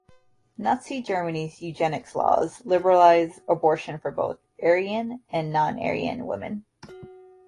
Nazi Germany's eugenics laws liberalized abortion for both Aryan and non-Aryan women.